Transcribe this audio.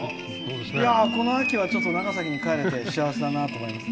この秋は、ちょっと長崎に帰れて幸せだなと思います。